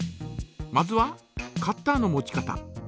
まずはカッターの持ち方。